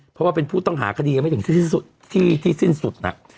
เพราะว่าเป็นผู้ต้องหาคดียังไม่ถึงที่สิ้นสุดน่ะ